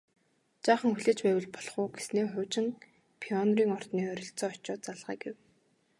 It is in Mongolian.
Жаахан хүлээж байвал болох уу гэснээ хуучин Пионерын ордны ойролцоо очоод залгая гэв